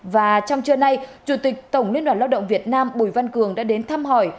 và trong trưa nay chủ tịch tổng liên đoàn lao động việt nam bùi văn cường đã đến thăm hỏi